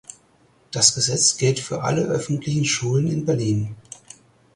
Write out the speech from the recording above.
Das Gesetz gilt für alle öffentlichen Schulen in Berlin.